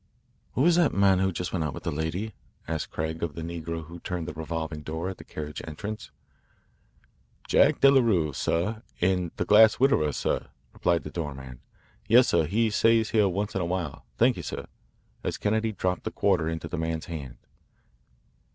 "Who was that man who just went out with the lady?" asked Craig of the negro who turned the revolving door at the carriage entrance. "Jack Delarue, sah in 'The Grass Widower,' sah," replied the doorman. "Yes, sah, he stays here once in a while. Thank you, sah," as Kennedy dropped a quarter into the man's hand.